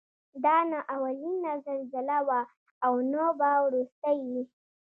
دا نه اولینه زلزله وه او نه به وروستۍ وي.